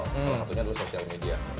salah satunya adalah sosial media